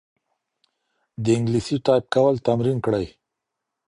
د انګلیسي ټایپ کول تمرین کړئ.